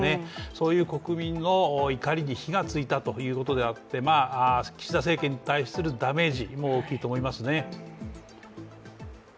そういう国民の怒りに火がついたということであって、岸田政権に対するダメージも大きいと思いますね。